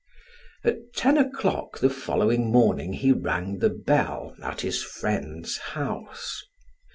At ten o'clock the following morning he rang the bell, at his friend's house.